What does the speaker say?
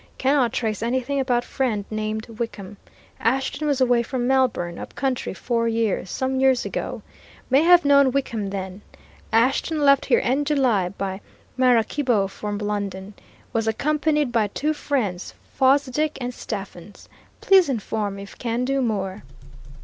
Cannot trace anything about friend named Wickham. Ashton was away from Melbourne, up country, four years, some years ago. May have known Wickham then. Ashton left here end July, by Maraquibo, for London. Was accompanied by two friends Fosdick and Stephens. Please inform if can do more.